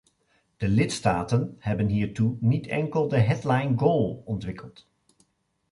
De lidstaten hebben hiertoe niet enkel de headline goal ontwikkeld.